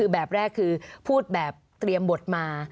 แบบแรกคือพูดแบบเตรียมบทมา